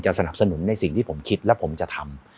สนับสนุนในสิ่งที่ผมคิดและผมจะทำ